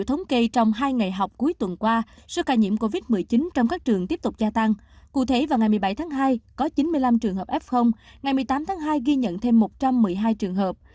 từ ngày một mươi bảy tháng hai có chín mươi năm trường hợp f ngày một mươi tám tháng hai ghi nhận thêm một trăm một mươi hai trường hợp